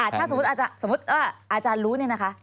ถ้าสมมุติว่าอาจารย์รู้เนี่ยนะคะ